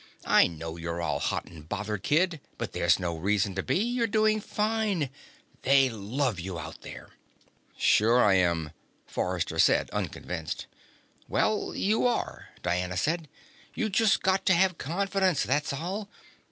"I know you're all hot and bothered, kid, but there's no reason to be. You're doing fine. They love you out there." "Sure I am," Forrester said, unconvinced. "Well, you are," Diana said. "You just got to have confidence, that's all.